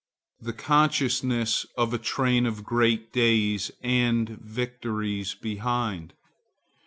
The consciousness of a train of great days and victories behind.